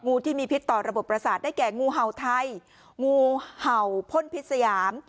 งูที่มีพิษต่อระบบประสาทได้แก่งูเห่าไทยงูเห่าพ่นพิษยาม